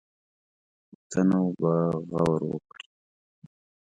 غوښتنو به غور وکړي.